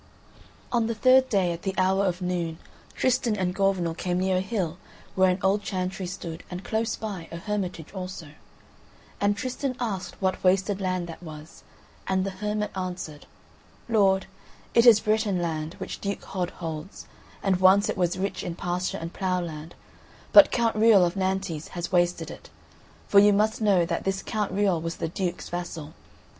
On the third day, at the hour of noon, Tristan and Gorvenal came near a hill where an old chantry stood and close by a hermitage also; and Tristan asked what wasted land that was, and the hermit answered: "Lord, it is Breton land which Duke Hod holds, and once it was rich in pasture and ploughland, but Count Riol of Nantes has wasted it. For you must know that this Count Riol was the Duke's vassal.